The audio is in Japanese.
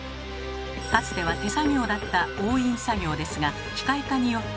かつては手作業だった押印作業ですが機械化によって。